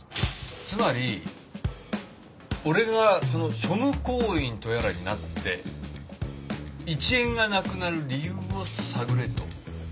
つまり俺がその庶務行員とやらになって１円がなくなる理由を探れと？